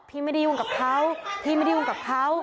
พี่ไม่ได้ยุ่งกับเขาพี่ไม่ได้ยุ่งกับเขา